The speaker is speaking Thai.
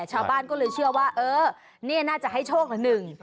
ชาวบ้านก็เลยเชื่อว่าเออนี่น่าจะให้โชคละหนึ่ง